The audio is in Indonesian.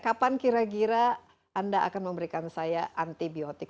kapan kira kira anda akan memberikan saya antibiotik